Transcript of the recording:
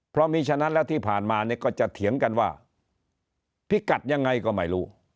เพราะมีฉะนั้นแล้วที่ผ่านมาเนี่ยก็จะเถียงกันว่าพิกัดยังไงก็ไม่รู้